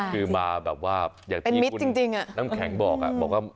คือมาแบบว่าอยากที่คุณน้ำแข็งบอก